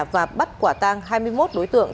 và bắt quả tang hai mươi một đối tượng